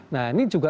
nah ini juga